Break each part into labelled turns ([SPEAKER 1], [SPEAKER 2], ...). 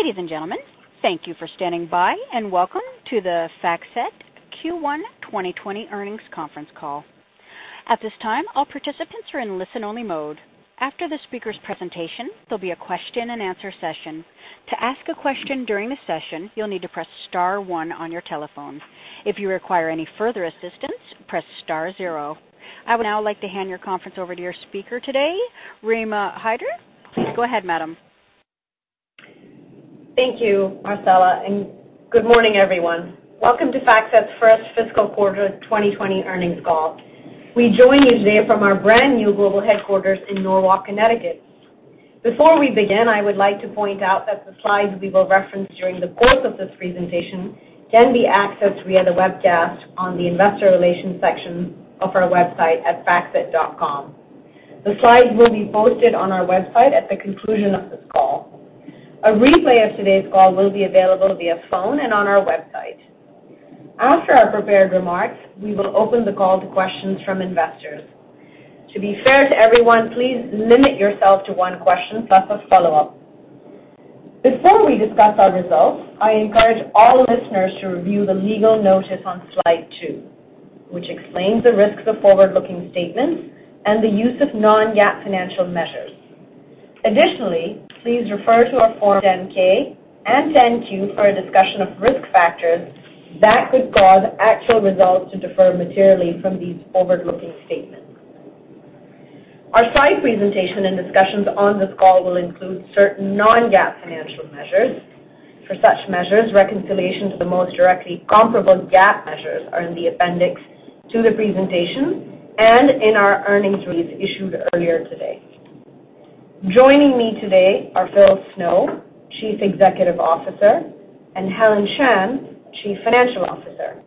[SPEAKER 1] Ladies and gentlemen, thank you for standing by, welcome to the FactSet Q1 2020 earnings conference call. At this time, all participants are in listen-only mode. After the speaker's presentation, there'll be a question and answer session. To ask a question during the session, you'll need to press star one on your telephones. If you require any further assistance, press star zero. I would now like to hand your conference over to your speaker today, Rima Hyder. Please go ahead, madam.
[SPEAKER 2] Thank you, Marcella. Good morning, everyone. Welcome to FactSet's first fiscal quarter 2020 earnings call. We join you today from our brand-new global headquarters in Norwalk, Connecticut. Before we begin, I would like to point out that the slides we will reference during the course of this presentation can be accessed via the webcast on the investor relations section of our website at factset.com. The slides will be posted on our website at the conclusion of this call. A replay of today's call will be available via phone and on our website. After our prepared remarks, we will open the call to questions from investors. To be fair to everyone, please limit yourself to one question plus a follow-up. Before we discuss our results, I encourage all listeners to review the legal notice on slide two, which explains the risks of forward-looking statements and the use of non-GAAP financial measures. Additionally, please refer to our Form 10-K and 10-Q for a discussion of risk factors that could cause actual results to differ materially from these forward-looking statements. Our slide presentation and discussions on this call will include certain non-GAAP financial measures. For such measures, reconciliation to the most directly comparable GAAP measures are in the appendix to the presentation and in our earnings release issued earlier today. Joining me today are Phil Snow, Chief Executive Officer, and Helen Shan, Chief Financial Officer.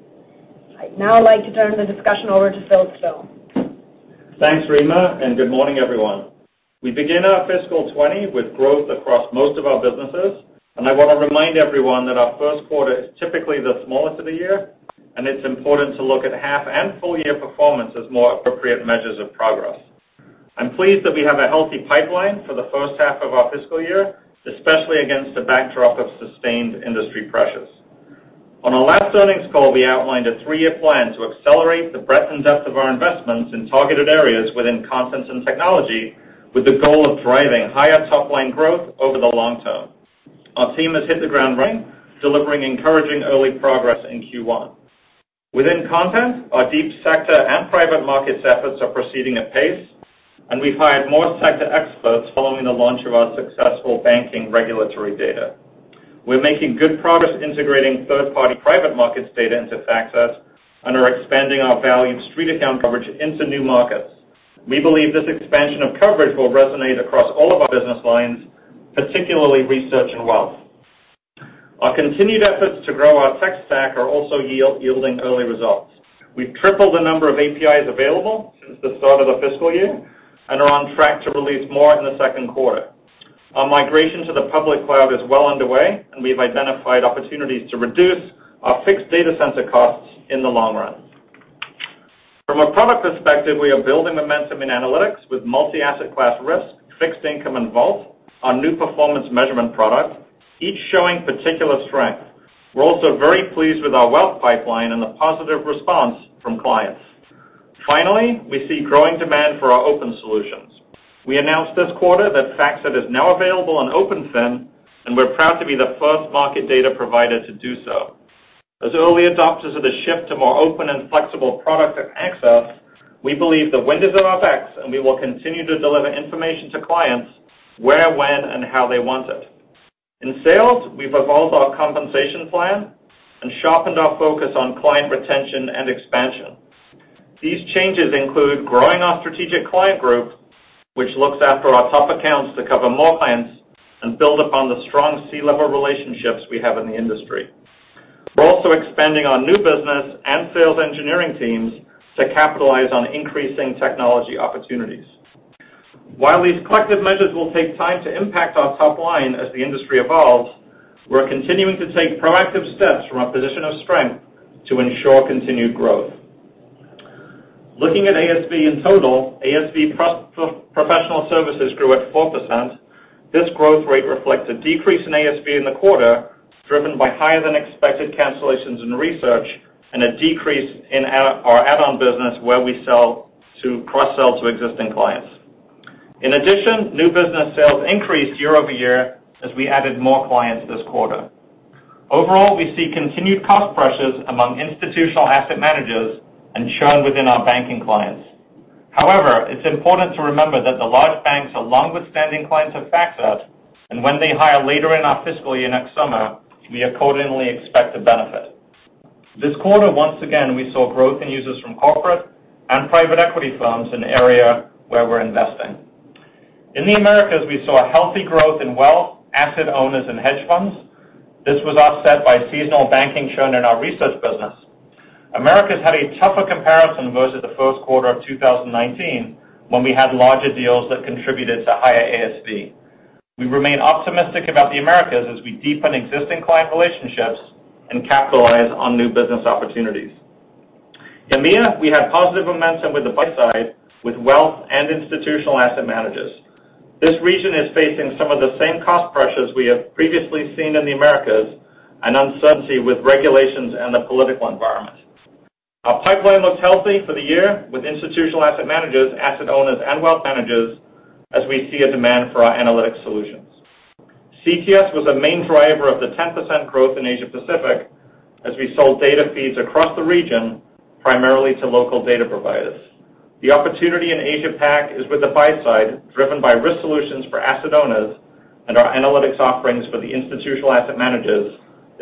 [SPEAKER 2] I'd now like to turn the discussion over to Phil Snow.
[SPEAKER 3] Thanks, Rima, and good morning, everyone. We begin our FY 2020 with growth across most of our businesses, and I want to remind everyone that our first quarter is typically the smallest of the year, and it's important to look at half and full-year performance as more appropriate measures of progress. I'm pleased that we have a healthy pipeline for the first half of our fiscal year, especially against a backdrop of sustained industry pressures. On our last earnings call, we outlined a three-year plan to accelerate the breadth and depth of our investments in targeted areas within content and technology with the goal of driving higher top-line growth over the long term. Our team has hit the ground running, delivering encouraging early progress in Q1. Within content, our Deep Sector and private markets efforts are proceeding at pace. We've hired more sector experts following the launch of our successful banking regulatory data. We're making good progress integrating third-party private markets data into FactSet and are expanding our valued StreetAccount coverage into new markets. We believe this expansion of coverage will resonate across all of our business lines, particularly research and wealth. Our continued efforts to grow our tech stack are also yielding early results. We've tripled the number of APIs available since the start of the fiscal year and are on track to release more in the second quarter. Our migration to the public cloud is well underway, and we've identified opportunities to reduce our fixed data center costs in the long run. From a product perspective, we are building momentum in analytics with multi-asset class risk, fixed income involved, our new performance measurement product, each showing particular strength. We're also very pleased with our wealth pipeline and the positive response from clients. Finally, we see growing demand for our open solutions. We announced this quarter that FactSet is now available on OpenFin, and we're proud to be the first market data provider to do so. As early adopters of the shift to more open and flexible products at access, we believe the wind is in our backs, and we will continue to deliver information to clients where, when, and how they want it. In sales, we've evolved our compensation plan and sharpened our focus on client retention and expansion. These changes include growing our strategic client group, which looks after our top accounts to cover more clients and build upon the strong C-level relationships we have in the industry. We're also expanding on new business and sales engineering teams to capitalize on increasing technology opportunities. While these collective measures will take time to impact our top line as the industry evolves, we're continuing to take proactive steps from a position of strength to ensure continued growth. Looking at ASV in total, ASV Professional Services grew at 4%. This growth rate reflects a decrease in ASV in the quarter, driven by higher than expected cancellations in research and a decrease in our add-on business where we cross-sell to existing clients. In addition, new business sales increased year-over-year as we added more clients this quarter. Overall, we see continued cost pressures among institutional asset managers and churn within our banking clients. However, it's important to remember that the large banks are long-withstanding clients of FactSet, and when they hire later in our fiscal year next summer, we accordingly expect to benefit. This quarter, once again, we saw growth in users from corporate and private equity firms, an area where we're investing. In the Americas, we saw a healthy growth in wealth, asset owners, and hedge funds. This was offset by seasonal banking churn in our research business. Americas had a tougher comparison versus the first quarter of 2019, when we had larger deals that contributed to higher ASV. We remain optimistic about the Americas as we deepen existing client relationships and capitalize on new business opportunities. In EMEA, we have positive momentum with the buy side with wealth and institutional asset managers. This region is facing some of the same cost pressures we have previously seen in the Americas, and uncertainty with regulations and the political environment. Our pipeline looks healthy for the year, with institutional asset managers, asset owners, and wealth managers, as we see a demand for our analytic solutions. CTS was a main driver of the 10% growth in Asia Pacific as we sold data feeds across the region, primarily to local data providers. The opportunity in Asia Pac is with the buy side, driven by risk solutions for asset owners and our analytics offerings for the institutional asset managers,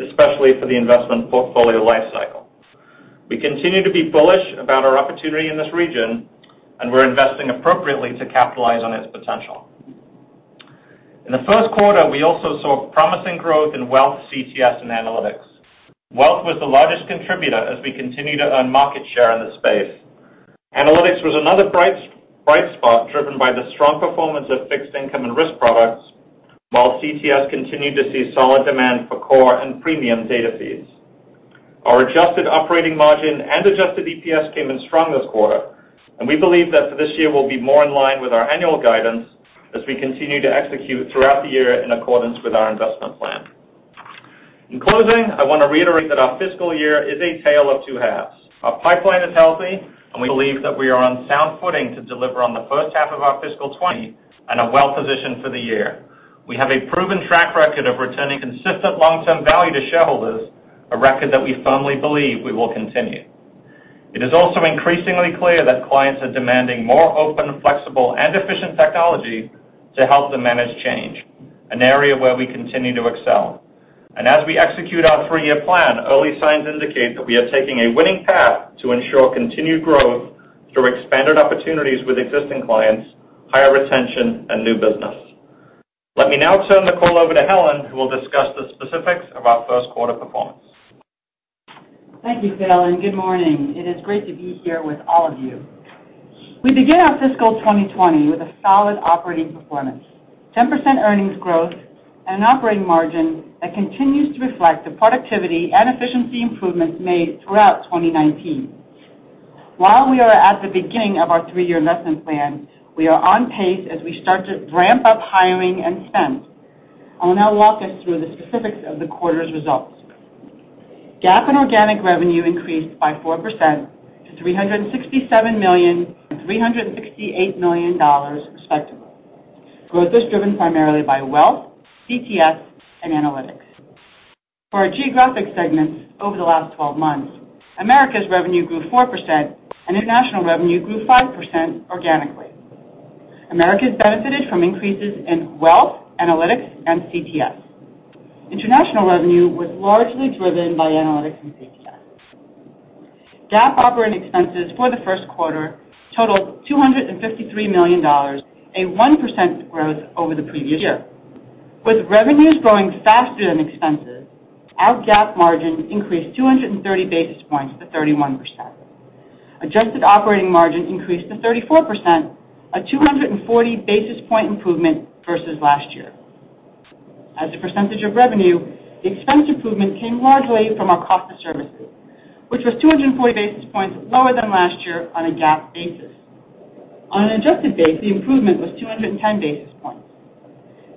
[SPEAKER 3] especially for the investment portfolio lifecycle. We continue to be bullish about our opportunity in this region, and we're investing appropriately to capitalize on its potential. In the first quarter, we also saw promising growth in wealth CTS and analytics. Wealth was the largest contributor as we continue to earn market share in the space. Analytics was another bright spot, driven by the strong performance of fixed income and risk products, while CTS continued to see solid demand for core and premium data feeds. Our adjusted operating margin and adjusted EPS came in strong this quarter. We believe that for this year we'll be more in line with our annual guidance as we continue to execute throughout the year in accordance with our investment plan. In closing, I want to reiterate that our fiscal year is a tale of two halves. Our pipeline is healthy. We believe that we are on sound footing to deliver on the first half of our FY 2020 and are well-positioned for the year. We have a proven track record of returning consistent long-term value to shareholders, a record that we firmly believe we will continue. It is also increasingly clear that clients are demanding more open, flexible, and efficient technology to help them manage change, an area where we continue to excel. As we execute our three-year plan, early signs indicate that we are taking a winning path to ensure continued growth through expanded opportunities with existing clients, higher retention, and new business. Let me now turn the call over to Helen, who will discuss the specifics of our first quarter performance.
[SPEAKER 4] Thank you, Phil, and good morning. It is great to be here with all of you. We begin our fiscal 2020 with a solid operating performance, 10% earnings growth, and an operating margin that continues to reflect the productivity and efficiency improvements made throughout 2019. While we are at the beginning of our three-year investment plan, we are on pace as we start to ramp up hiring and spend. I will now walk us through the specifics of the quarter's results. GAAP and organic revenue increased by 4% to $367 million and $368 million, respectively. Growth is driven primarily by wealth, CTS, and analytics. For our geographic segments over the last 12 months, Americas revenue grew 4%, and international revenue grew 5% organically. Americas benefited from increases in wealth, analytics, and CTS. International revenue was largely driven by analytics and CTS. GAAP operating expenses for the first quarter totaled $253 million, a 1% growth over the previous year. With revenues growing faster than expenses, our GAAP margin increased 230 basis points to 31%. Adjusted operating margin increased to 34%, a 240 basis point improvement versus last year. As a percentage of revenue, expense improvement came largely from our cost of services, which was 240 basis points lower than last year on a GAAP basis. On an adjusted base, the improvement was 210 basis points.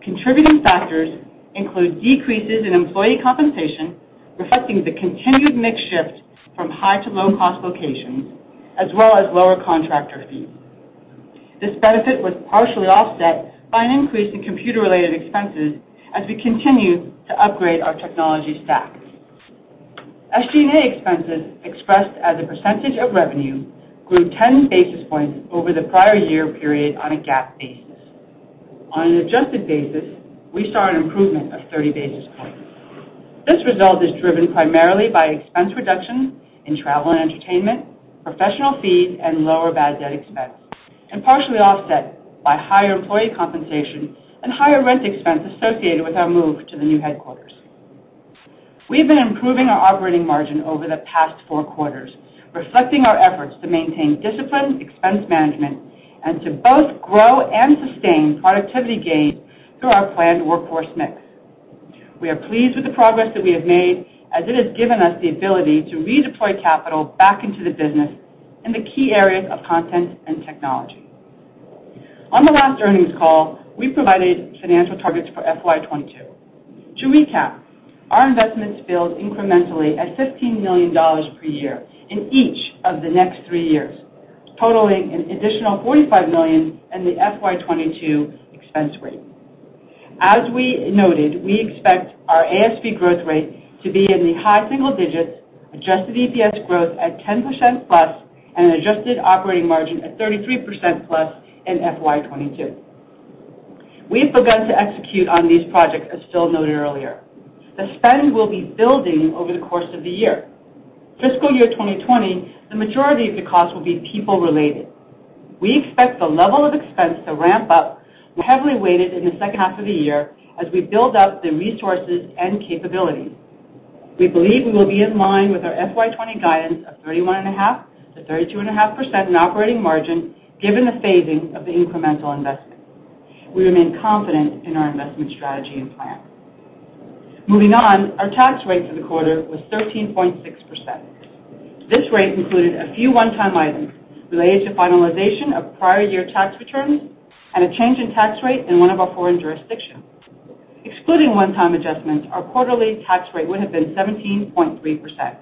[SPEAKER 4] Contributing factors include decreases in employee compensation, reflecting the continued mix shift from high to low-cost locations, as well as lower contractor fees. This benefit was partially offset by an increase in computer-related expenses as we continue to upgrade our technology stack. SGA expenses, expressed as a percentage of revenue, grew 10 basis points over the prior year period on a GAAP basis. On an adjusted basis, we saw an improvement of 30 basis points. This result is driven primarily by expense reduction in travel and entertainment, professional fees, and lower bad debt expense, and partially offset by higher employee compensation and higher rent expense associated with our move to the new headquarters. We've been improving our operating margin over the past four quarters, reflecting our efforts to maintain disciplined expense management and to both grow and sustain productivity gain through our planned workforce mix. We are pleased with the progress that we have made, as it has given us the ability to redeploy capital back into the business in the key areas of content and technology. On the last earnings call, we provided financial targets for FY 2022. To recap, our investments build incrementally at $15 million per year in each of the next three years, totaling an additional $45 million in the FY22 expense rate. As we noted, we expect our ASV growth rate to be in the high single digits, adjusted EPS growth at 10% plus, and an adjusted operating margin of 33% plus in FY22. We've begun to execute on these projects, as Phil noted earlier. The spend will be building over the course of the year. Fiscal year 2020, the majority of the cost will be people-related. We expect the level of expense to ramp up, heavily weighted in the second half of the year as we build out the resources and capabilities. We believe we will be in line with our FY20 guidance of 31.5%-32.5% in operating margin, given the phasing of the incremental investment. We remain confident in our investment strategy and plan. Our tax rate for the quarter was 13.6%. This rate included a few one-time items related to finalization of prior year tax returns and a change in tax rate in one of our foreign jurisdictions. Excluding one-time adjustments, our quarterly tax rate would have been 17.3%.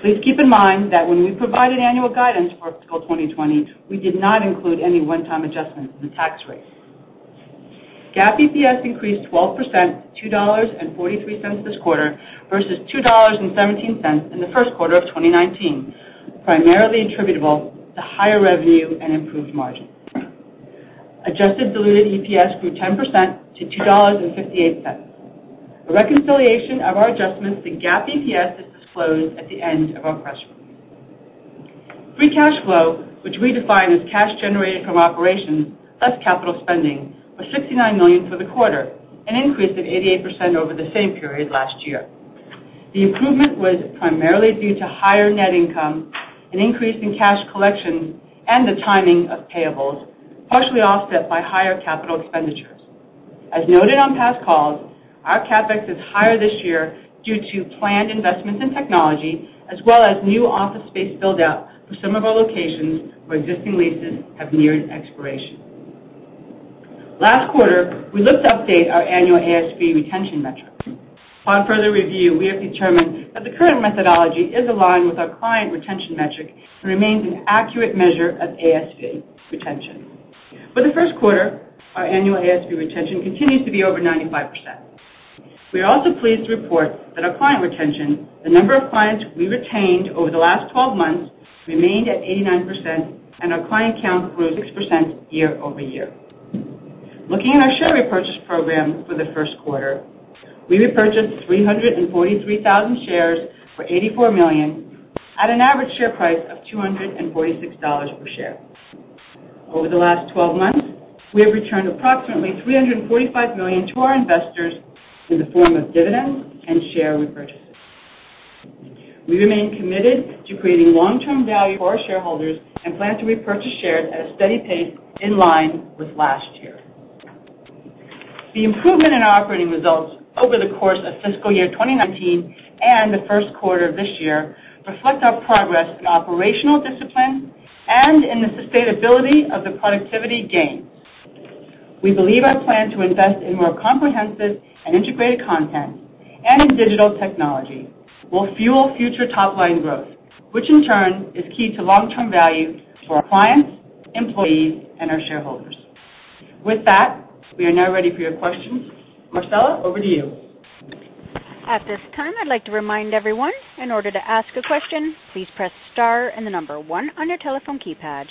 [SPEAKER 4] Please keep in mind that when we provided annual guidance for fiscal 2020, we did not include any one-time adjustments in the tax rate. GAAP EPS increased 12%, $2.43 this quarter versus $2.17 in the first quarter of 2019, primarily attributable to higher revenue and improved margin. Adjusted diluted EPS grew 10% to $2.58. A reconciliation of our adjustments to GAAP EPS is disclosed at the end of our press release. Free cash flow, which we define as cash generated from operations less capital spending, was $69 million for the quarter, an increase of 88% over the same period last year. The improvement was primarily due to higher net income, an increase in cash collections, and the timing of payables, partially offset by higher capital expenditures. As noted on past calls, our CapEx is higher this year due to planned investments in technology as well as new office space build-out for some of our locations where existing leases have neared expiration. Last quarter, we looked to update our annual ASV retention metric. On further review, we have determined that the current methodology is aligned with our client retention metric and remains an accurate measure of ASV retention. For the first quarter, our annual ASV retention continues to be over 95%. We are also pleased to report that our client retention, the number of clients we retained over the last 12 months, remained at 89%, and our client count grew 6% year-over-year. Looking at our share repurchase program for the first quarter, we repurchased 343,000 shares for $84 million at an average share price of $246 per share. Over the last 12 months, we have returned approximately $345 million to our investors in the form of dividends and share repurchases. We remain committed to creating long-term value for our shareholders and plan to repurchase shares at a steady pace in line with last year. The improvement in our operating results over the course of fiscal year 2019 and the first quarter of this year reflect our progress in operational discipline and in the sustainability of the productivity gains. We believe our plan to invest in more comprehensive and integrated content and in digital technology will fuel future top-line growth, which in turn is key to long-term value for our clients, employees, and our shareholders. With that, we are now ready for your questions. Marcella, over to you.
[SPEAKER 1] At this time, I'd like to remind everyone, in order to ask a question, please press star and the number one on your telephone keypad.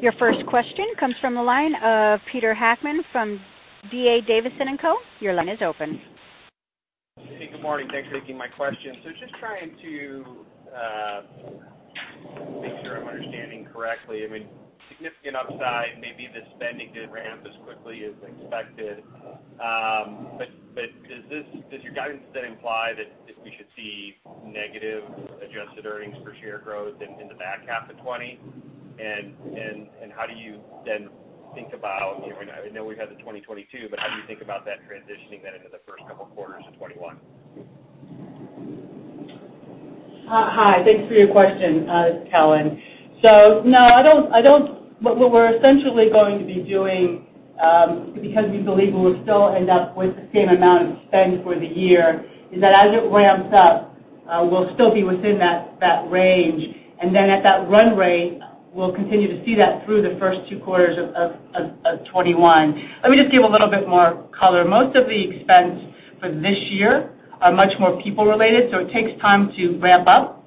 [SPEAKER 1] Your first question comes from the line of Peter Heckmann from D.A. Davidson & Co. Your line is open.
[SPEAKER 5] Hey, good morning. Thanks for taking my question. Just trying to make sure I'm understanding correctly. Significant upside, maybe the spending didn't ramp as quickly as expected. Does your guidance then imply that we should see negative adjusted earnings per share growth in the back half of 2020? How do you then think about, I know we have the 2022, but how do you think about that transitioning then into the first couple quarters of 2021?
[SPEAKER 4] Hi. Thanks for your question. It's Helen. No, what we're essentially going to be doing, because we believe we will still end up with the same amount of spend for the year, is that as it ramps up, we'll still be within that range. Then at that run rate, we'll continue to see that through the first two quarters of 2021. Let me just give a little bit more color. Most of the expense for this year are much more people related, so it takes time to ramp up.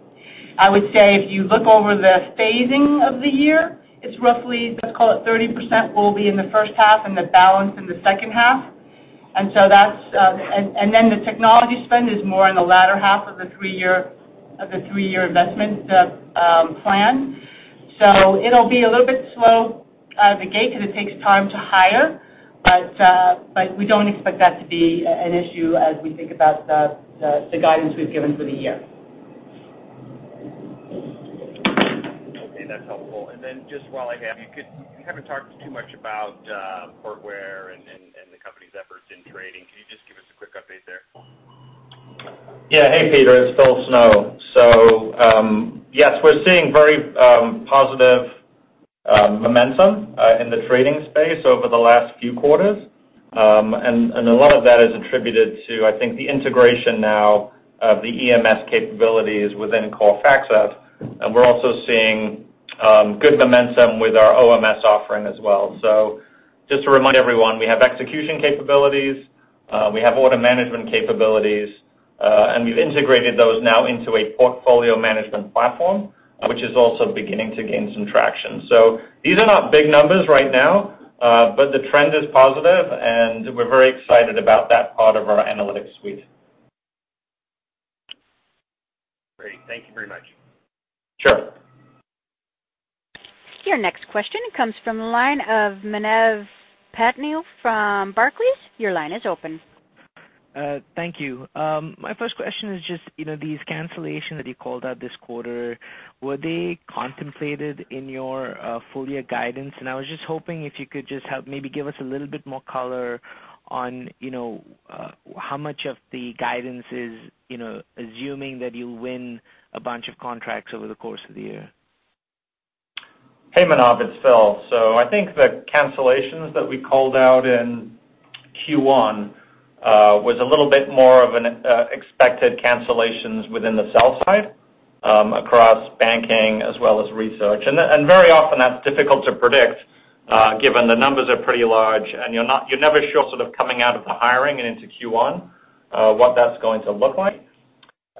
[SPEAKER 4] I would say if you look over the phasing of the year, it's roughly, let's call it 30% will be in the first half and the balance in the second half. Then the technology spend is more in the latter half of the three-year investment plan. It'll be a little bit slow out of the gate because it takes time to hire, but we don't expect that to be an issue as we think about the guidance we've given for the year.
[SPEAKER 5] Okay, that's helpful. Just while I have you haven't talked too much about Portware and the company's efforts in trading. Can you just give us a quick update there?
[SPEAKER 3] Yeah. Hey, Peter. It's Phil Snow. Yes, we're seeing very positive momentum in the trading space over the last few quarters. A lot of that is attributed to, I think, the integration now of the EMS capabilities within [co-FactSet], and we're also seeing good momentum with our OMS offering as well. Just to remind everyone, we have execution capabilities, we have order management capabilities, and we've integrated those now into a portfolio management platform, which is also beginning to gain some traction. These are not big numbers right now, but the trend is positive, and we're very excited about that part of our analytics suite.
[SPEAKER 5] Great. Thank you very much.
[SPEAKER 3] Sure.
[SPEAKER 1] Your next question comes from the line of Manav Patnaik from Barclays. Your line is open.
[SPEAKER 6] Thank you. My first question is just these cancellations that you called out this quarter, were they contemplated in your full year guidance? I was just hoping if you could just maybe give us a little bit more color on how much of the guidance is assuming that you'll win a bunch of contracts over the course of the year.
[SPEAKER 3] Hey, Manav, it's Phil. I think the cancellations that we called out in Q1 was a little bit more of an expected cancellations within the sell side, across banking as well as research. Very often that's difficult to predict, given the numbers are pretty large and you're never sure sort of coming out of the hiring and into Q1, what that's going to look like.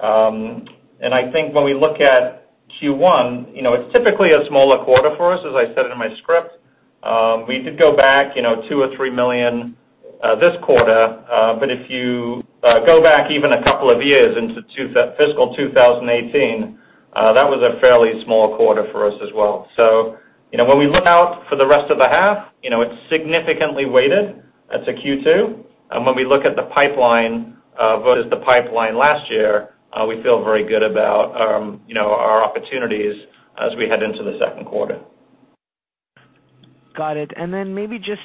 [SPEAKER 3] I think when we look at Q1, it's typically a smaller quarter for us, as I said it in my script. We did go back $2 million or $3 million this quarter. If you go back even a couple of years into fiscal 2018, that was a fairly small quarter for us as well. When we look out for the rest of the half, it's significantly weighted as a Q2. When we look at the pipeline versus the pipeline last year, we feel very good about our opportunities as we head into the second quarter.
[SPEAKER 6] Got it. Maybe just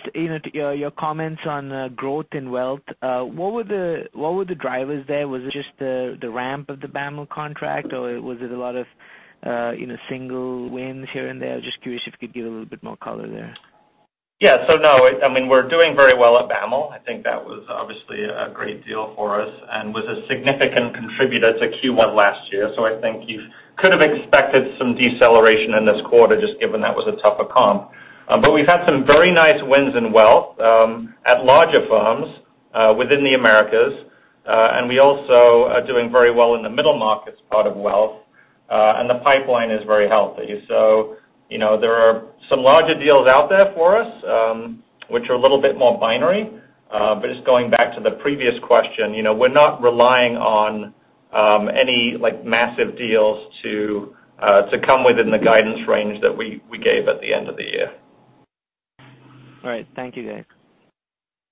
[SPEAKER 6] your comments on growth in wealth. What were the drivers there? Was it just the ramp of the BAML contract, or was it a lot of single wins here and there? Just curious if you could give a little bit more color there.
[SPEAKER 3] Yeah. No, we're doing very well at BAML. I think that was obviously a great deal for us and was a significant contributor to Q1 last year. I think you could've expected some deceleration in this quarter just given that was a tougher comp. We've had some very nice wins in wealth, at larger firms within the Americas. We also are doing very well in the middle markets part of wealth. The pipeline is very healthy. There are some larger deals out there for us, which are a little bit more binary. Just going back to the previous question, we're not relying on any massive deals to come within the guidance range that we gave at the end of the year.
[SPEAKER 6] All right. Thank you, Dave.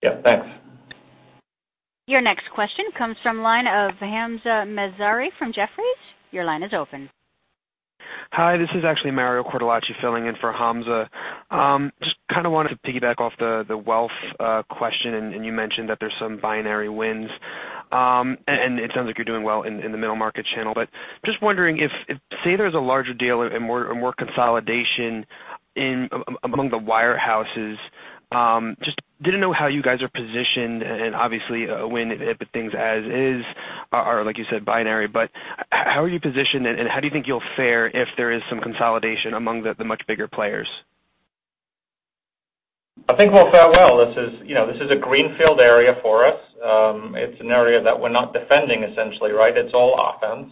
[SPEAKER 3] Yeah. Thanks.
[SPEAKER 1] Your next question comes from line of Hamza Mazari from Jefferies. Your line is open.
[SPEAKER 7] Hi, this is actually Mario Cortellacci filling in for Hamza. Just kind of wanted to piggyback off the wealth question, and you mentioned that there's some binary wins. It sounds like you're doing well in the middle market channel. Just wondering if, say, there's a larger deal and more consolidation among the wirehouses, just didn't know how you guys are positioned and obviously a win if things as is are, like you said, binary, but how are you positioned and how do you think you'll fare if there is some consolidation among the much bigger players?
[SPEAKER 3] I think we'll fare well. This is a greenfield area for us. It's an area that we're not defending essentially, right? It's all offense.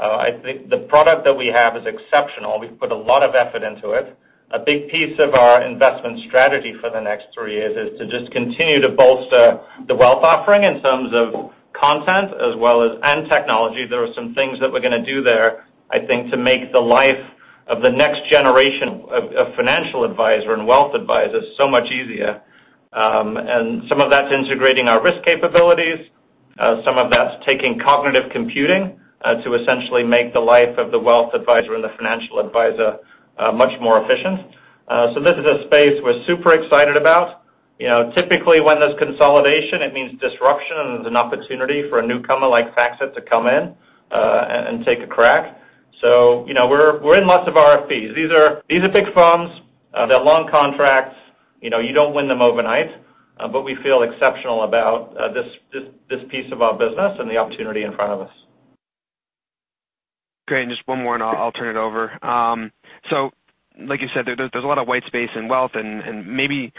[SPEAKER 3] I think the product that we have is exceptional. We've put a lot of effort into it. A big piece of our investment strategy for the next three years is to just continue to bolster the wealth offering in terms of content as well as and technology. There are some things that we're going to do there, I think, to make the life of the next generation of financial advisor and wealth advisors so much easier. Some of that's integrating our risk capabilities. Some of that's taking cognitive computing to essentially make the life of the wealth advisor and the financial advisor much more efficient. This is a space we're super excited about. Typically, when there's consolidation, it means disruption and there's an opportunity for a newcomer like FactSet to come in and take a crack. We're in lots of RFPs. These are big firms. They're long contracts. You don't win them overnight. We feel exceptional about this piece of our business and the opportunity in front of us.
[SPEAKER 7] Great. Just one more, and I'll turn it over. Like you said, there's a lot of white space and wealth and maybe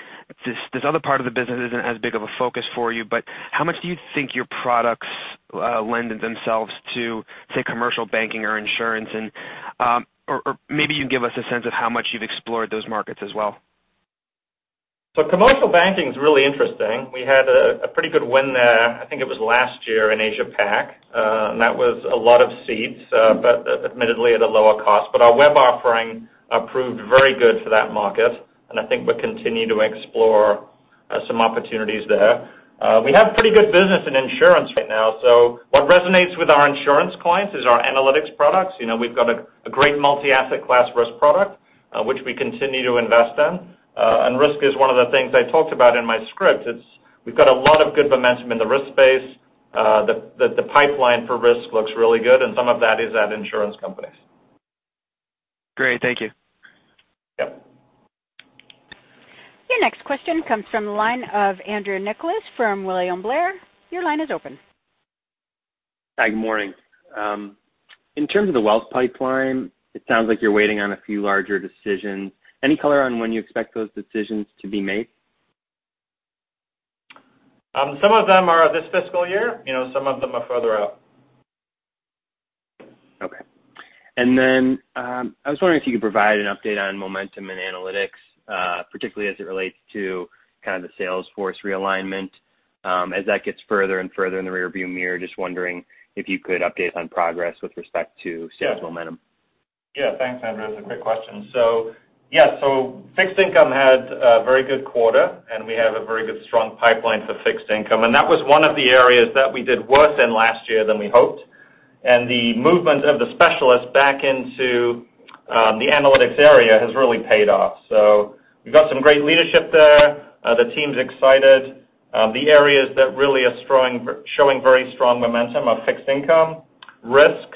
[SPEAKER 7] this other part of the business isn't as big of a focus for you, but how much do you think your products lend themselves to, say, commercial banking or insurance or maybe you can give us a sense of how much you've explored those markets as well.
[SPEAKER 3] Commercial banking's really interesting. We had a pretty good win there, I think it was last year in Asia Pac. That was a lot of seats, but admittedly at a lower cost. Our web offering proved very good for that market, and I think we'll continue to explore some opportunities there. We have pretty good business in insurance right now. What resonates with our insurance clients is our analytics products. We've got a great multi-asset class risk product, which we continue to invest in. Risk is one of the things I talked about in my script. We've got a lot of good momentum in the risk space. The pipeline for risk looks really good, and some of that is at insurance companies.
[SPEAKER 7] Great. Thank you.
[SPEAKER 3] Yep.
[SPEAKER 1] Your next question comes from the line of Andrew Nicholas from William Blair. Your line is open.
[SPEAKER 8] Hi, good morning. In terms of the wealth pipeline, it sounds like you're waiting on a few larger decisions. Any color on when you expect those decisions to be made?
[SPEAKER 3] Some of them are this fiscal year, some of them are further out.
[SPEAKER 8] Okay. I was wondering if you could provide an update on momentum and analytics, particularly as it relates to kind of the sales force realignment. As that gets further and further in the rearview mirror, just wondering if you could update on progress with respect to sales momentum.
[SPEAKER 3] Yeah. Thanks, Andrew. That's a great question. Yeah, so fixed income had a very good quarter, and we have a very good strong pipeline for fixed income. That was one of the areas that we did worse in last year than we hoped. The movement of the specialists back into the analytics area has really paid off. We've got some great leadership there. The team's excited. The areas that really are showing very strong momentum are fixed income, risk,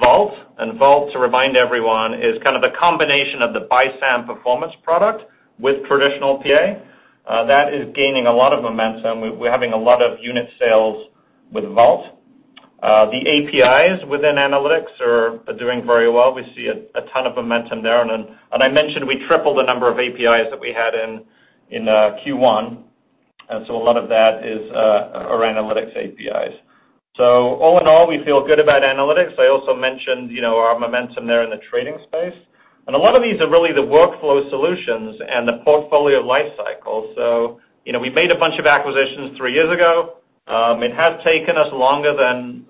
[SPEAKER 3] Vault. Vault, to remind everyone, is kind of the combination of the BISAM performance product with traditional PA. That is gaining a lot of momentum. We're having a lot of unit sales with Vault. The APIs within analytics are doing very well. We see a ton of momentum there. I mentioned we tripled the number of APIs that we had in Q1. A lot of that are analytics APIs. All in all, we feel good about analytics. I also mentioned our momentum there in the trading space. A lot of these are really the workflow solutions and the portfolio lifecycle. We made a bunch of acquisitions three years ago. It has taken us longer than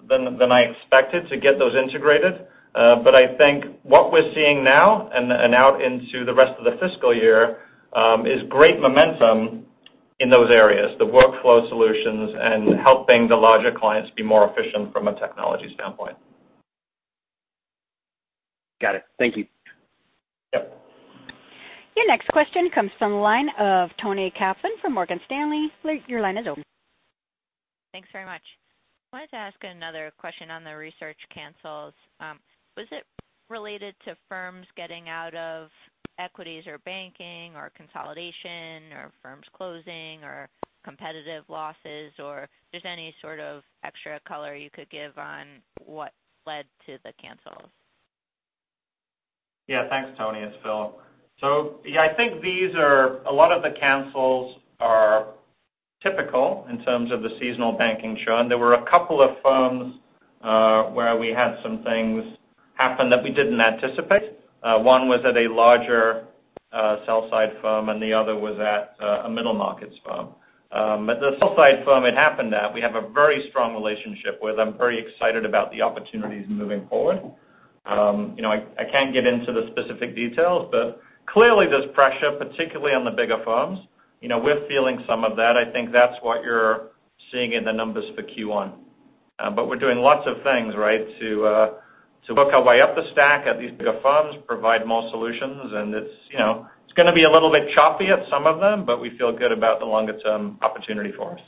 [SPEAKER 3] I expected to get those integrated. I think what we're seeing now and out into the rest of the fiscal year, is great momentum in those areas, the workflow solutions and helping the larger clients be more efficient from a technology standpoint.
[SPEAKER 8] Got it. Thank you.
[SPEAKER 3] Yep.
[SPEAKER 1] Your next question comes from the line of Toni Kaplan from Morgan Stanley. Your line is open.
[SPEAKER 9] Thanks very much. I wanted to ask another question on the research cancels. Was it related to firms getting out of equities or banking or consolidation or firms closing or competitive losses? Just any sort of extra color you could give on what led to the cancels?
[SPEAKER 3] Yeah. Thanks, Toni. It's Phil. Yeah, I think a lot of the cancels are typical in terms of the seasonal banking churn, and there were a couple of firms where we had some things happen that we didn't anticipate. One was at a larger sell side firm, and the other was at a middle markets firm. The sell side firm, it happened that we have a very strong relationship with, I'm very excited about the opportunities moving forward. I can't get into the specific details, but clearly there's pressure, particularly on the bigger firms. We're feeling some of that. I think that's what you're seeing in the numbers for Q1. We're doing lots of things, right, to work our way up the stack at these bigger firms, provide more solutions, and it's going to be a little bit choppy at some of them, but we feel good about the longer-term opportunity for us.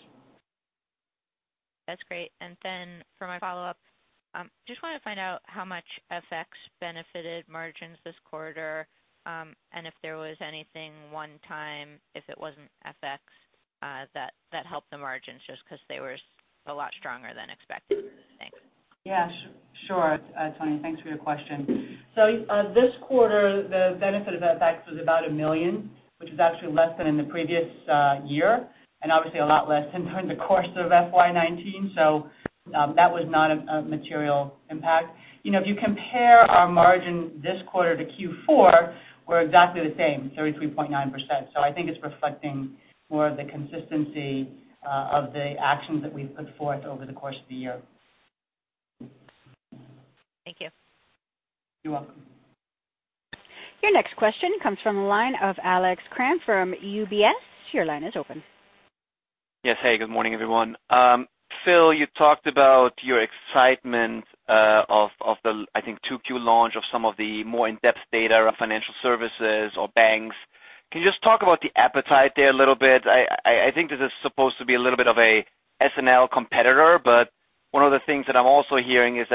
[SPEAKER 9] That's great. For my follow-up, just want to find out how much FX benefited margins this quarter, and if there was anything one-time, if it wasn't FX, that helped the margins, just because they were a lot stronger than expected. Thanks.
[SPEAKER 4] Yeah, sure, Toni. Thanks for your question. This quarter, the benefit of FX was about $1 million, which is actually less than in the previous year, and obviously a lot less than during the course of FY 2019. That was not a material impact. If you compare our margin this quarter to Q4, we're exactly the same, 33.9%. I think it's reflecting more of the consistency of the actions that we've put forth over the course of the year.
[SPEAKER 9] Thank you.
[SPEAKER 4] You're welcome.
[SPEAKER 1] Your next question comes from the line of Alex Kramm from UBS. Your line is open.
[SPEAKER 10] Yes. Hey, good morning, everyone. Phil, you talked about your excitement of the, I think, 2Q launch of some of the more in-depth data around financial services or banks. Can you just talk about the appetite there a little bit? I think this is supposed to be a little bit of a SNL competitor. One of the things that I'm also hearing is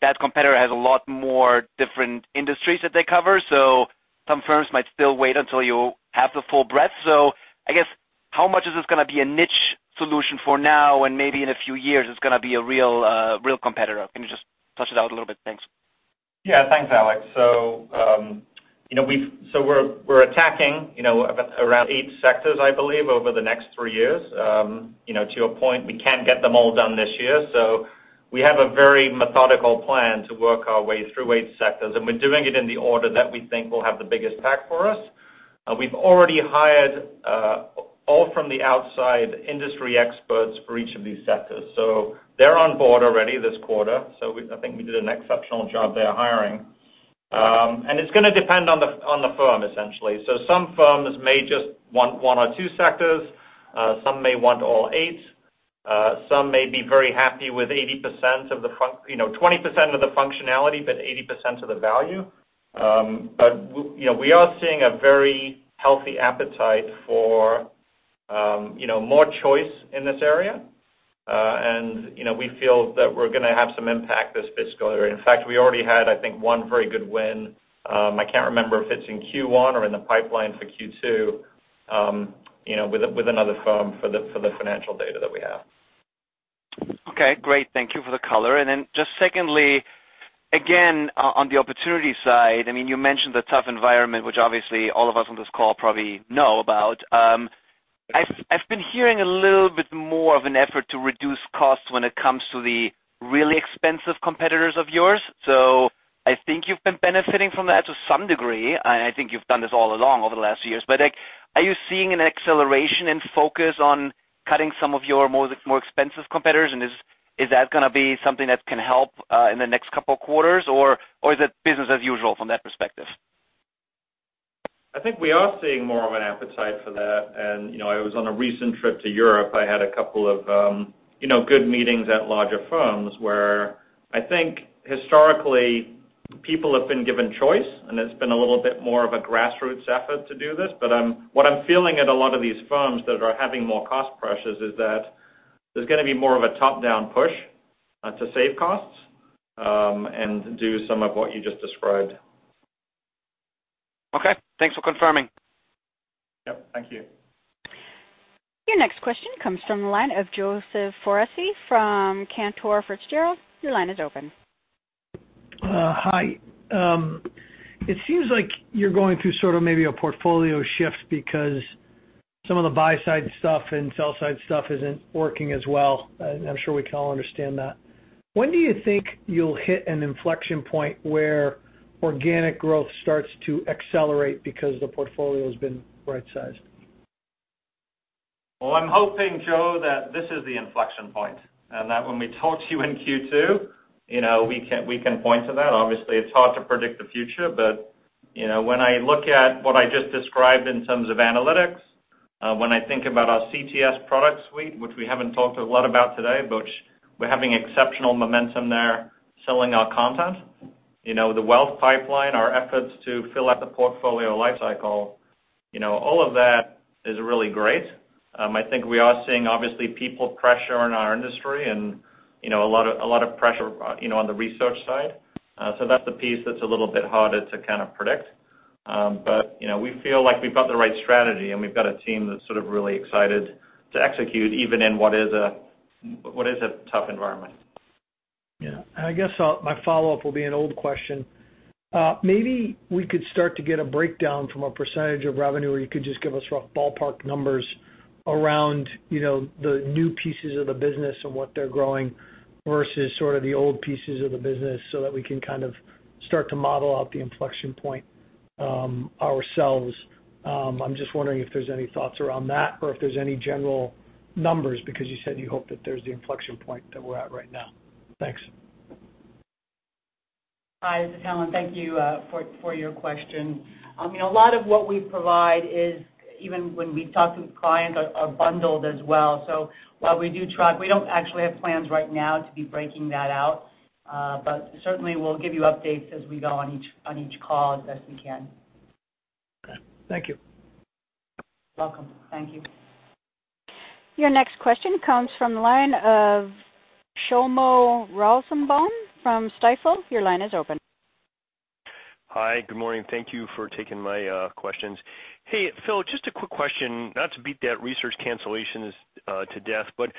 [SPEAKER 10] that competitor has a lot more different industries that they cover, some firms might still wait until you have the full breadth. I guess how much is this going to be a niche solution for now and maybe in a few years it's going to be a real competitor? Can you just flesh it out a little bit? Thanks.
[SPEAKER 3] Thanks, Alex Kramm. We're attacking around eight sectors, I believe, over the next three years. To your point, we can't get them all done this year. We have a very methodical plan to work our way through eight sectors. We're doing it in the order that we think will have the biggest impact for us. We've already hired, all from the outside, industry experts for each of these sectors. They're on board already this quarter. I think we did an exceptional job there hiring. It's going to depend on the firm, essentially. Some firms may just want one or two sectors. Some may want all eight. Some may be very happy with 20% of the functionality, but 80% of the value. We are seeing a very healthy appetite for more choice in this area. We feel that we're going to have some impact this fiscal year. In fact, we already had, I think, one very good win, I can't remember if it's in Q1 or in the pipeline for Q2, with another firm for the financial data that we have.
[SPEAKER 10] Okay, great. Thank you for the color. Then just secondly, again, on the opportunity side, you mentioned the tough environment, which obviously all of us on this call probably know about. I've been hearing a little bit more of an effort to reduce costs when it comes to the really expensive competitors of yours. I think you've been benefiting from that to some degree, and I think you've done this all along over the last few years. Are you seeing an acceleration in focus on cutting some of your more expensive competitors, and is that going to be something that can help, in the next couple of quarters, or is it business as usual from that perspective?
[SPEAKER 3] I think we are seeing more of an appetite for that. I was on a recent trip to Europe. I had a couple of good meetings at larger firms where I think historically people have been given choice, and it's been a little bit more of a grassroots effort to do this. What I'm feeling at a lot of these firms that are having more cost pressures is that there's going to be more of a top-down push to save costs, and do some of what you just described.
[SPEAKER 10] Okay. Thanks for confirming.
[SPEAKER 3] Yep. Thank you.
[SPEAKER 1] Your next question comes from the line of Joseph Foresi from Cantor Fitzgerald. Your line is open.
[SPEAKER 11] Hi. It seems like you're going through sort of maybe a portfolio shift because some of the buy-side stuff and sell-side stuff isn't working as well, and I'm sure we can all understand that. When do you think you'll hit an inflection point where organic growth starts to accelerate because the portfolio's been right-sized?
[SPEAKER 3] I'm hoping, Joe, that this is the inflection point, and that when we talk to you in Q2, we can point to that. Obviously, it's hard to predict the future, but when I look at what I just described in terms of analytics, when I think about our CTS product suite, which we haven't talked a lot about today, but we're having exceptional momentum there selling our content. The wealth pipeline, our efforts to fill out the portfolio lifecycle, all of that is really great. I think we are seeing obviously people pressure in our industry and a lot of pressure on the research side. That's the piece that's a little bit harder to kind of predict. We feel like we've got the right strategy, and we've got a team that's sort of really excited to execute even in what is a tough environment.
[SPEAKER 11] Yeah. I guess my follow-up will be an old question. Maybe we could start to get a breakdown from a percentage of revenue, or you could just give us rough ballpark numbers around the new pieces of the business and what they're growing versus sort of the old pieces of the business so that we can kind of start to model out the inflection point ourselves. I'm just wondering if there's any thoughts around that or if there's any general numbers, because you said you hope that there's the inflection point that we're at right now. Thanks.
[SPEAKER 4] Hi, this is Helen. Thank you for your question. A lot of what we provide is, even when we talk with clients, are bundled as well. While we do track, we don't actually have plans right now to be breaking that out. Certainly we'll give you updates as we go on each call as best we can.
[SPEAKER 11] Okay. Thank you.
[SPEAKER 4] Welcome. Thank you.
[SPEAKER 1] Your next question comes from the line of Shlomo Rosenbaum from Stifel. Your line is open.
[SPEAKER 12] Hi, good morning. Thank you for taking my questions. Hey, Phil, just a quick question, not to beat that research cancellation to death, but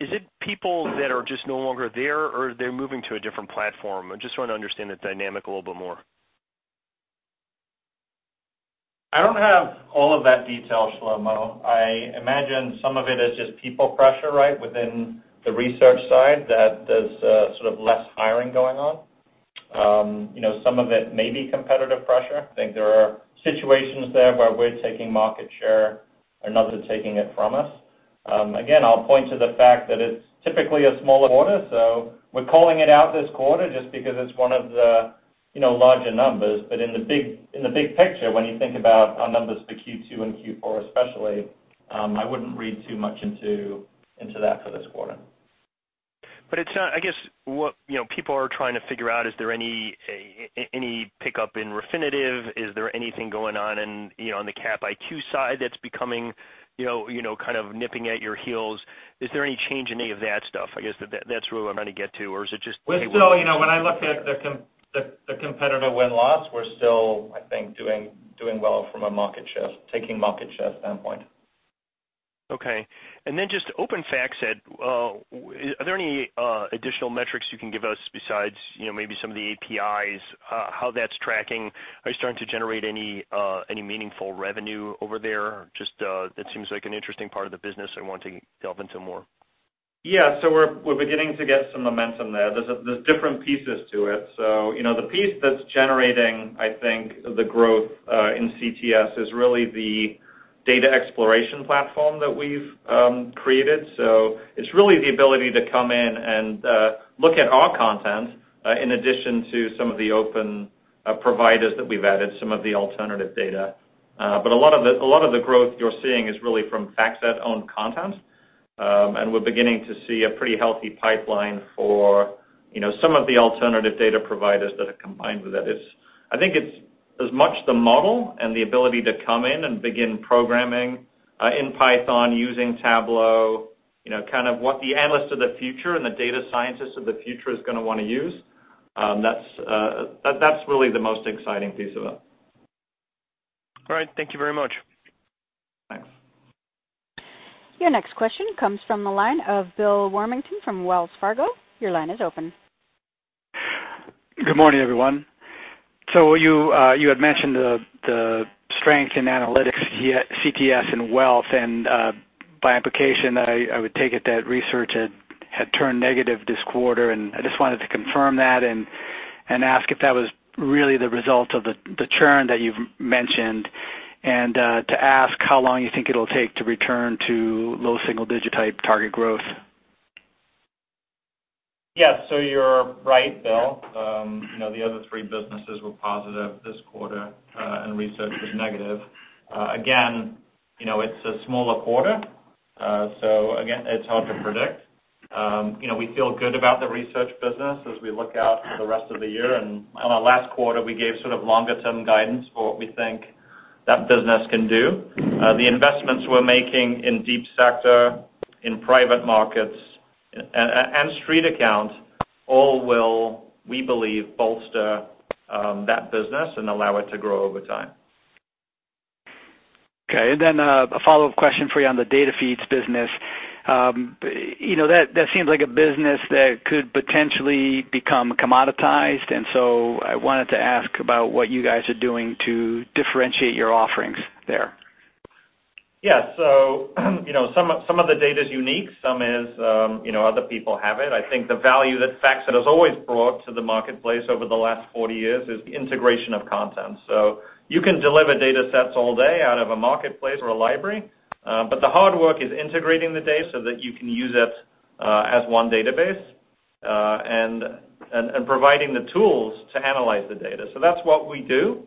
[SPEAKER 12] is it people that are just no longer there, or they're moving to a different platform? I just want to understand the dynamic a little bit more.
[SPEAKER 3] I don't have all of that detail, Shlomo. I imagine some of it is just people pressure, right, within the research side that there's sort of less hiring going on. Some of it may be competitive pressure. I think there are situations there where we're taking market share and others are taking it from us. Again, I'll point to the fact that it's typically a smaller quarter, so we're calling it out this quarter just because it's one of the larger numbers. In the big picture, when you think about our numbers for Q2 and Q4 especially, I wouldn't read too much into that for this quarter.
[SPEAKER 12] I guess what people are trying to figure out, is there any pickup in Refinitiv? Is there anything going on in the Capital IQ side that's becoming kind of nipping at your heels? Is there any change in any of that stuff? I guess that's where I'm trying to get to.
[SPEAKER 3] When I look at the competitor win-loss, we're still, I think, doing well from a taking market share standpoint.
[SPEAKER 12] Okay. Just open FactSet, are there any additional metrics you can give us besides maybe some of the APIs, how that's tracking? Are you starting to generate any meaningful revenue over there? Just that seems like an interesting part of the business I want to delve into more.
[SPEAKER 3] Yeah. We're beginning to get some momentum there. There's different pieces to it. The piece that's generating, I think, the growth in CTS is really the data exploration platform that we've created. It's really the ability to come in and look at our content, in addition to some of the open providers that we've added, some of the alternative data. A lot of the growth you're seeing is really from FactSet-owned content. We're beginning to see a pretty healthy pipeline for some of the alternative data providers that are combined with it. I think it's as much the model and the ability to come in and begin programming in Python using Tableau, kind of what the analyst of the future and the data scientist of the future is going to want to use. That's really the most exciting piece of it.
[SPEAKER 12] All right. Thank you very much.
[SPEAKER 3] Thanks.
[SPEAKER 1] Your next question comes from the line of Bill Warmington from Wells Fargo. Your line is open.
[SPEAKER 13] Good morning, everyone. You had mentioned the strength in analytics, CTS, and wealth, and by implication, I would take it that research had turned negative this quarter, and I just wanted to confirm that and ask if that was really the result of the churn that you've mentioned, and to ask how long you think it'll take to return to low single-digit type target growth.
[SPEAKER 3] Yes. You're right, Bill. The other three businesses were positive this quarter, and research was negative. Again, it's a smaller quarter, so again, it's hard to predict. We feel good about the research business as we look out for the rest of the year, and on our last quarter, we gave sort of longer-term guidance for what we think that business can do. The investments we're making in Deep Sector, in private markets, and StreetAccount all will, we believe, bolster that business and allow it to grow over time.
[SPEAKER 13] Okay, a follow-up question for you on the data feeds business. That seems like a business that could potentially become commoditized, I wanted to ask about what you guys are doing to differentiate your offerings there.
[SPEAKER 3] Yeah. Some of the data's unique, some other people have it. I think the value that FactSet has always brought to the marketplace over the last 40 years is the integration of content. You can deliver data sets all day out of a marketplace or a library, but the hard work is integrating the data so that you can use it as one database, and providing the tools to analyze the data. That's what we do.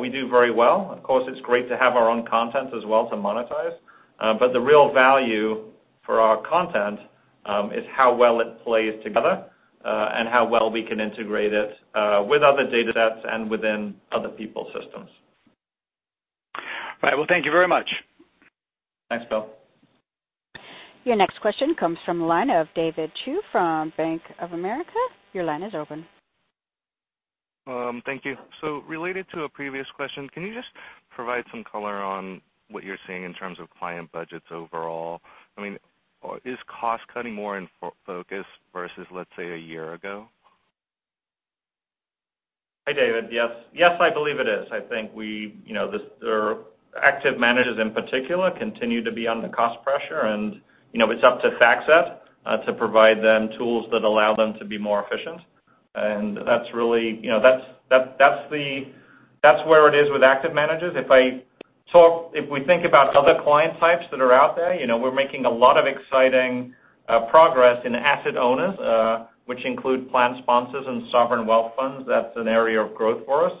[SPEAKER 3] We do it very well. Of course, it's great to have our own content as well to monetize. The real value for our content, is how well it plays together, and how well we can integrate it with other data sets and within other people's systems.
[SPEAKER 13] All right. Well, thank you very much.
[SPEAKER 3] Thanks, Bill.
[SPEAKER 1] Your next question comes from the line of David Chu from Bank of America. Your line is open.
[SPEAKER 14] Thank you. Related to a previous question, can you just provide some color on what you're seeing in terms of client budgets overall? I mean, is cost-cutting more in focus versus, let's say, a year ago?
[SPEAKER 3] Hi, David. Yes, I believe it is. I think active managers, in particular, continue to be under cost pressure and it's up to FactSet to provide them tools that allow them to be more efficient. That's where it is with active managers. If we think about other client types that are out there, we're making a lot of exciting progress in asset owners, which include plan sponsors and sovereign wealth funds. That's an area of growth for us.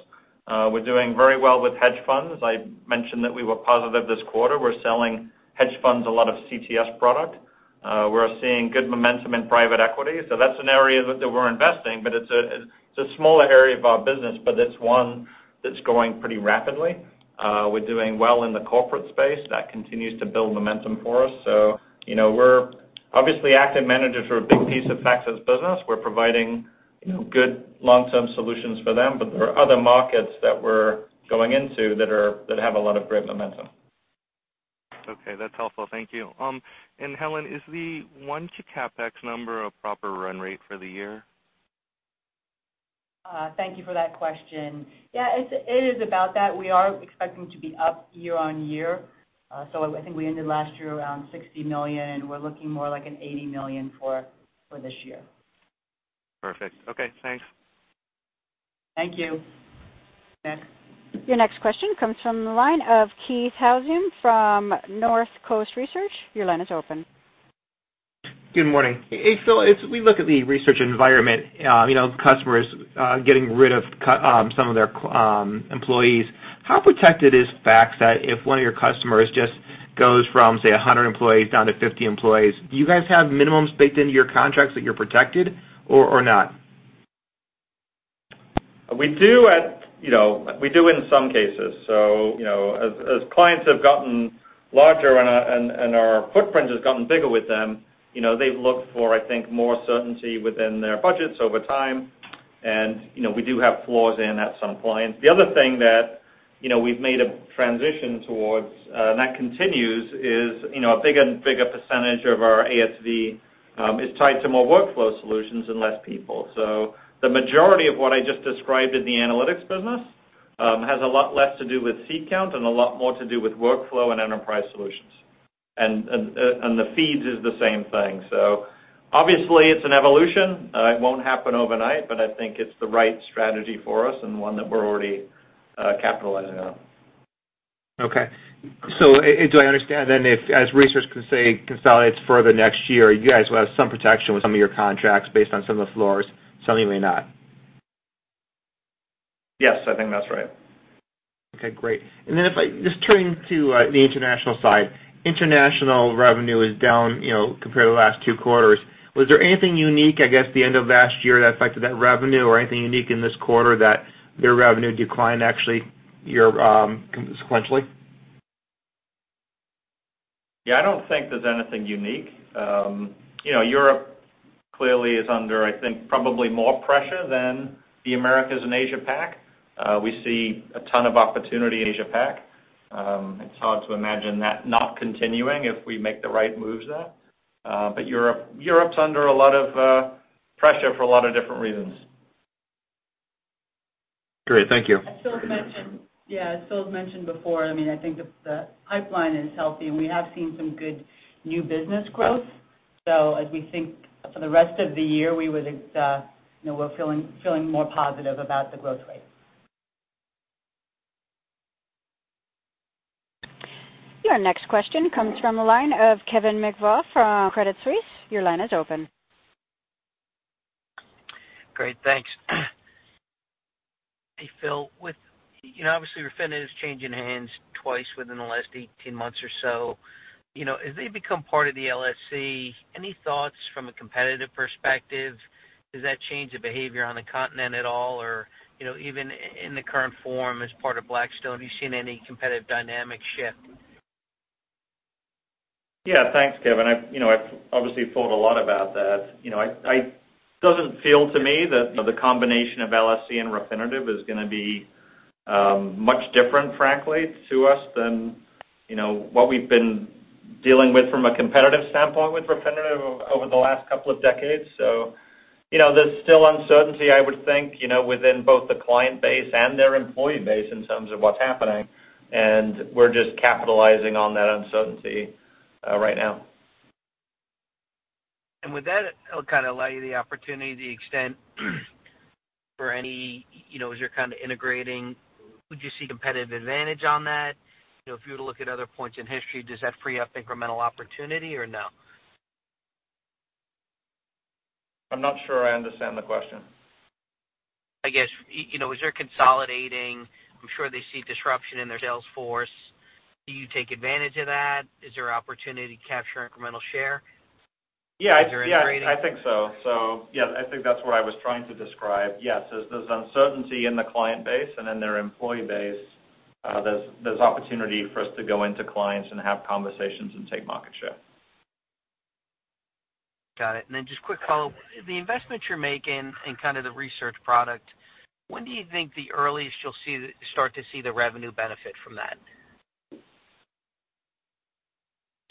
[SPEAKER 3] We're doing very well with hedge funds. I mentioned that we were positive this quarter. We're selling hedge funds a lot of CTS product. We're seeing good momentum in private equity. That's an area that we're investing, but it's a smaller area of our business, but it's one that's growing pretty rapidly. We're doing well in the corporate space. That continues to build momentum for us. Obviously, active managers are a big piece of FactSet's business. We're providing good long-term solutions for them, but there are other markets that we're going into that have a lot of great momentum.
[SPEAKER 14] Okay. That's helpful. Thank you. Helen, is the 1Q CapEx number a proper run rate for the year?
[SPEAKER 4] Thank you for that question. Yeah, it is about that. We are expecting to be up year-over-year. I think we ended last year around $60 million. We're looking more like an $80 million for this year.
[SPEAKER 14] Perfect. Okay, thanks.
[SPEAKER 4] Thank you. Next.
[SPEAKER 1] Your next question comes from the line of Keith Housum from Northcoast Research. Your line is open.
[SPEAKER 15] Good morning. Hey, Phil, as we look at the research environment, customers getting rid of some of their employees, how protected is FactSet if one of your customers just goes from, say, 100 employees down to 50 employees? Do you guys have minimums baked into your contracts that you're protected, or not?
[SPEAKER 3] We do in some cases. As clients have gotten larger and our footprint has gotten bigger with them, they've looked for, I think, more certainty within their budgets over time. We do have floors in at some clients. The other thing that we've made a transition towards, and that continues, is a bigger percentage of our ASV is tied to more workflow solutions and less people. The majority of what I just described in the analytics business, has a lot less to do with seat count and a lot more to do with workflow and enterprise solutions. The feeds is the same thing. Obviously, it's an evolution. It won't happen overnight, but I think it's the right strategy for us and one that we're already capitalizing on.
[SPEAKER 15] Do I understand then if, as research consolidates further next year, you guys will have some protection with some of your contracts based on some of the floors, some of you may not?
[SPEAKER 3] Yes. I think that's right.
[SPEAKER 15] Okay, great. Just turning to the international side. International revenue is down compared to the last two quarters. Was there anything unique, I guess, the end of last year that affected that revenue or anything unique in this quarter that their revenue declined actually consequentially?
[SPEAKER 3] Yeah, I don't think there's anything unique. Europe clearly is under, I think, probably more pressure than the Americas and Asia-Pac. We see a ton of opportunity in Asia-Pac. It's hard to imagine that not continuing if we make the right moves there. Europe's under a lot of pressure for a lot of different reasons.
[SPEAKER 15] Great. Thank you.
[SPEAKER 4] As Phil's mentioned before, I think the pipeline is healthy, and we have seen some good new business growth. As we think for the rest of the year, we're feeling more positive about the growth rate.
[SPEAKER 1] Your next question comes from the line of Kevin McVeigh from Credit Suisse. Your line is open.
[SPEAKER 16] Great. Thanks. Hey, Phil. Obviously, Refinitiv's changing hands twice within the last 18 months or so. As they become part of the LSE, any thoughts from a competitive perspective? Does that change the behavior on the continent at all? Even in the current form as part of Blackstone, have you seen any competitive dynamic shift?
[SPEAKER 3] Yeah, thanks, Kevin. I've obviously thought a lot about that. It doesn't feel to me that the combination of LSE and Refinitiv is going to be much different, frankly, to us than what we've been dealing with from a competitive standpoint with Refinitiv over the last couple of decades. There's still uncertainty, I would think, within both the client base and their employee base in terms of what's happening, and we're just capitalizing on that uncertainty right now.
[SPEAKER 16] With that, I'll kind of allow you the opportunity to the extent for any, as you're integrating, would you see competitive advantage on that? If you were to look at other points in history, does that free up incremental opportunity or no?
[SPEAKER 3] I'm not sure I understand the question.
[SPEAKER 16] I guess, as they're consolidating, I'm sure they see disruption in their sales force. Do you take advantage of that? Is there opportunity to capture incremental share?
[SPEAKER 3] Yeah.
[SPEAKER 16] As you're integrating.
[SPEAKER 3] Yeah, I think so. Yeah, I think that's what I was trying to describe. Yes, there's uncertainty in the client base and in their employee base. There's opportunity for us to go into clients and have conversations and take market share.
[SPEAKER 16] Got it. Just quick follow-up. The investment you're making in kind of the research product, when do you think the earliest you'll start to see the revenue benefit from that?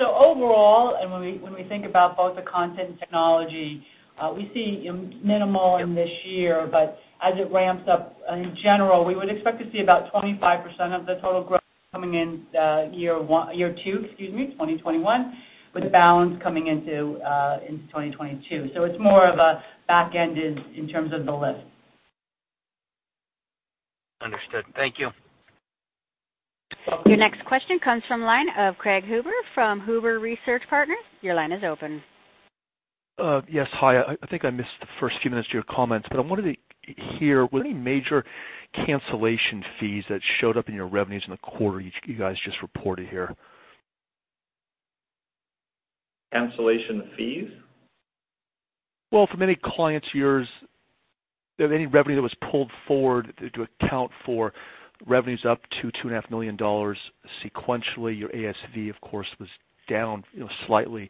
[SPEAKER 4] Overall, when we think about both the content and technology, we see minimal in this year. As it ramps up, in general, we would expect to see about 25% of the total growth coming in year two, excuse me, 2021, with the balance coming into 2022. It's more of a back end in terms of the lift.
[SPEAKER 16] Understood. Thank you.
[SPEAKER 1] Your next question comes from the line of Craig Huber from Huber Research Partners. Your line is open.
[SPEAKER 17] Yes. Hi, I think I missed the first few minutes of your comments, but I'm wondering here, were there any major cancellation fees that showed up in your revenues in the quarter you guys just reported here?
[SPEAKER 3] Cancellation fees?
[SPEAKER 17] Well, from any clients of yours, any revenue that was pulled forward to account for revenues up to $2.5 million sequentially, your ASV, of course, was down slightly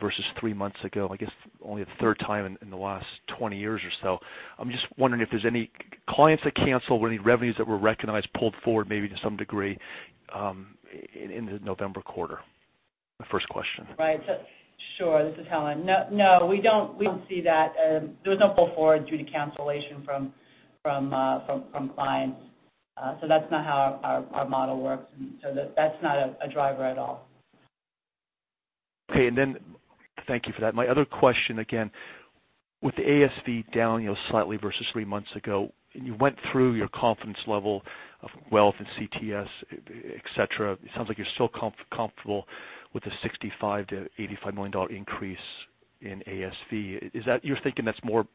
[SPEAKER 17] versus three months ago, I guess only the third time in the last 20 years or so. I'm just wondering if there's any clients that canceled, were any revenues that were recognized, pulled forward maybe to some degree, in the November quarter? The first question.
[SPEAKER 4] Right. Sure. This is Helen. No, we don't see that. There was no pull forward due to cancellation from clients. That's not how our model works, and so that's not a driver at all.
[SPEAKER 17] Thank you for that. My other question again, with the ASV down slightly versus three months ago, you went through your confidence level of wealth and CTS, et cetera. It sounds like you're still comfortable with the $65 million to $85 million increase in ASV. Is that your thinking that's more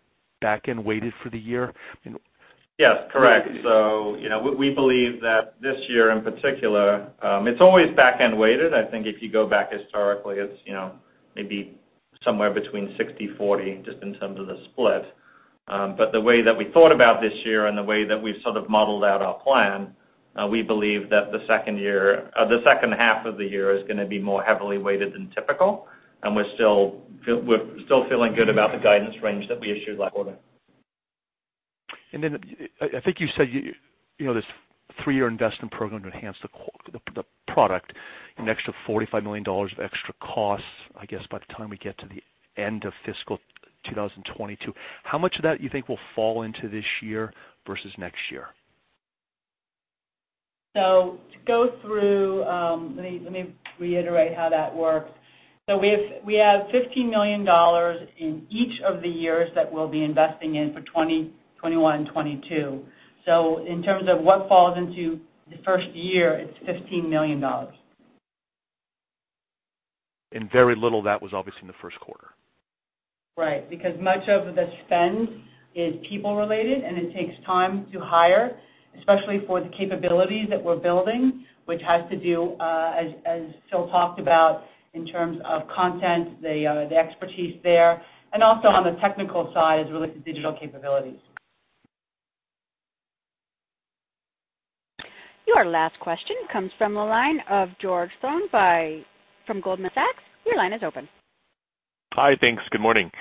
[SPEAKER 17] back-end weighted for the year?
[SPEAKER 3] Yes, correct. We believe that this year in particular, it's always back end weighted. I think if you go back historically, it's maybe somewhere between 60-40, just in terms of the split. The way that we thought about this year and the way that we've sort of modeled out our plan, we believe that the second half of the year is going to be more heavily weighted than typical, and we're still feeling good about the guidance range that we issued last quarter.
[SPEAKER 17] I think you said this three-year investment program to enhance the product, an extra $45 million of extra costs, I guess, by the time we get to the end of fiscal 2022. How much of that you think will fall into this year versus next year?
[SPEAKER 4] To go through, let me reiterate how that works. We have $15 million in each of the years that we'll be investing in for 2020, 2021, and 2022. In terms of what falls into the first year, it's $15 million.
[SPEAKER 17] Very little of that was obviously in the first quarter.
[SPEAKER 4] Right, because much of the spend is people related, and it takes time to hire, especially for the capabilities that we're building, which has to do, as Phil talked about in terms of content, the expertise there, and also on the technical side as it relates to digital capabilities.
[SPEAKER 1] Your last question comes from the line of George Tong from Goldman Sachs. Your line is open.
[SPEAKER 18] Hi, thanks. Good morning.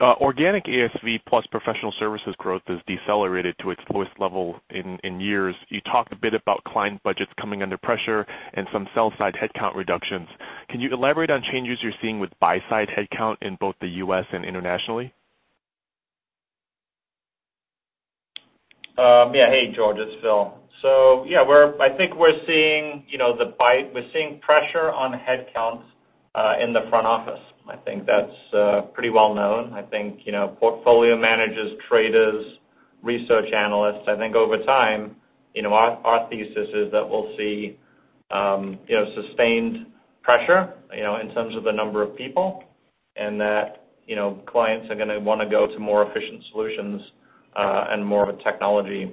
[SPEAKER 18] Organic ASV plus professional services growth has decelerated to its lowest level in years. You talked a bit about client budgets coming under pressure and some sell-side headcount reductions. Can you elaborate on changes you're seeing with buy-side headcount in both the U.S. and internationally?
[SPEAKER 3] Yeah. Hey, George, it's Phil. Yeah, I think we're seeing pressure on headcounts in the front office. I think that's pretty well known. I think portfolio managers, traders, research analysts, I think over time, our thesis is that we'll see sustained pressure in terms of the number of people, and that clients are going to want to go to more efficient solutions and more of a technology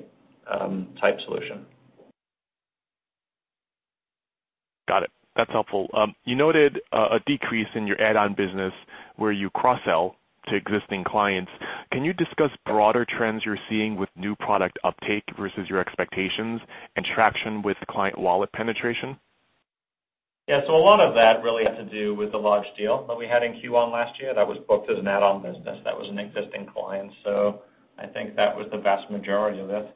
[SPEAKER 3] type solution.
[SPEAKER 18] Got it. That's helpful. You noted a decrease in your add-on business where you cross-sell to existing clients. Can you discuss broader trends you're seeing with new product uptake versus your expectations and traction with client wallet penetration?
[SPEAKER 3] Yeah. A lot of that really had to do with the large deal that we had in Q1 last year that was booked as an add-on business. That was an existing client. I think that was the vast majority of it.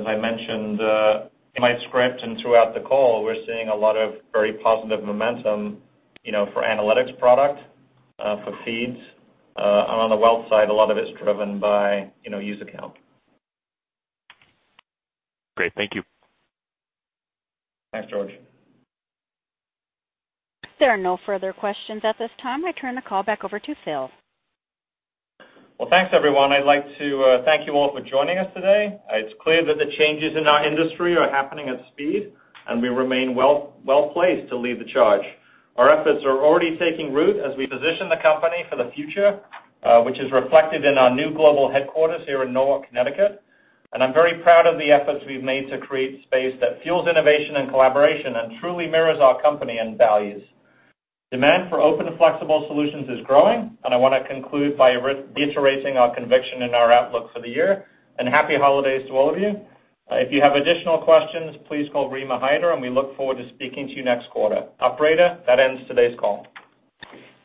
[SPEAKER 3] As I mentioned in my script and throughout the call, we're seeing a lot of very positive momentum for analytics product, for feeds. On the wealth side, a lot of it's driven by user account.
[SPEAKER 18] Great. Thank you.
[SPEAKER 3] Thanks, George.
[SPEAKER 1] There are no further questions at this time. I turn the call back over to Phil.
[SPEAKER 3] Well, thanks, everyone. I'd like to thank you all for joining us today. It's clear that the changes in our industry are happening at speed, and we remain well-placed to lead the charge. Our efforts are already taking root as we position the company for the future, which is reflected in our new global headquarters here in Norwalk, Connecticut. I'm very proud of the efforts we've made to create space that fuels innovation and collaboration and truly mirrors our company and values. Demand for open and flexible solutions is growing, and I want to conclude by reiterating our conviction in our outlook for the year. Happy Holidays to all of you. If you have additional questions, please call Rima Hyder, and we look forward to speaking to you next quarter. Operator, that ends today's call.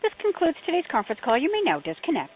[SPEAKER 1] This concludes today's conference call. You may now disconnect.